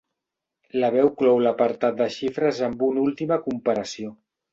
La veu clou l'apartat de xifres amb una última comparació.